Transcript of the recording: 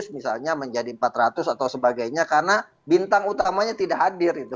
misalnya menjadi empat ratus atau sebagainya karena bintang utamanya tidak hadir